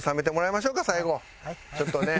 ちょっとね。